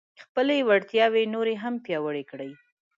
خپلې وړتیاوې نورې هم پیاوړې کړئ.